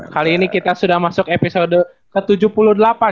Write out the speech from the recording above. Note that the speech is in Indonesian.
kali ini kita sudah masuk episode ketiga